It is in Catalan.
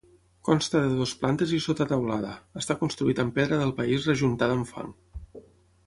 Consta de dues plantes i sotateulada; està construït amb pedra del país rejuntada amb fang.